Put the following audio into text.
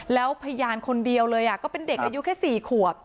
แล้วพยานคนเดียวเลยก็เป็นเด็กอายุแค่๔ขวบ